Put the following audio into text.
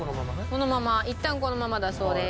このままいったんこのままだそうです。